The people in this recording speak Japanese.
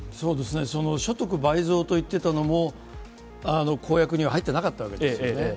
所得倍増といってたのも公約には入ってなかったわけです